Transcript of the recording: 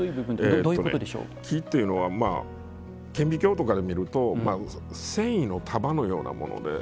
木っていうのは顕微鏡とかで見ると繊維の束のようなもので。